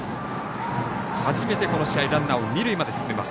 初めて、この試合ランナーを二塁まで進めます。